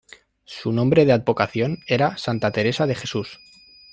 Su nombre de advocación era "Santa Teresa de Jesús".